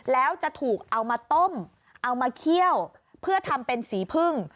แล้วจะถูกเอามาต้มเอามาเคี่ยวเพื่อทำเป็นสีพึ่ง